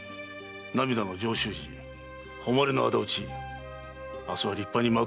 『涙の上州路誉れの仇討ち』明日は立派に幕を開けてくれよ。